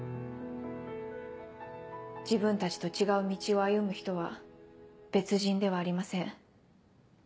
自分たちと違う道を歩む人は別人ではありません。